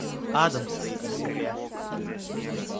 Адом стоит на земле.